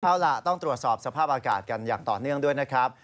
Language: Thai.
เอาล่ะต้องตรวจสอบสภาพอากาศกันอย่างต่อเนื่องด้วยนะครับ